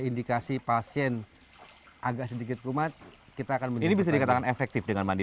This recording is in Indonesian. indikasi pasien agak sedikit kumat kita akan menjadi bisa dikatakan efektif dengan mandi